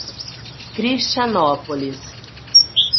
Cristianópolis